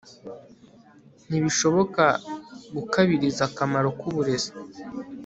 ntibishoboka gukabiriza akamaro k'uburezi